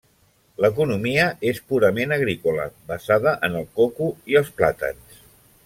L'economia és purament agrícola, basada en el coco i els plàtans.